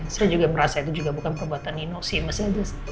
saya juga merasa itu juga bukan perbuatan nino sih